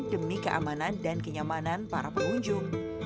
demi keamanan dan kenyamanan para pengunjung